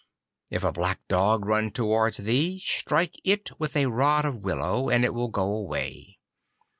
If a black dog run towards thee, strike it with a rod of willow, and it will go away.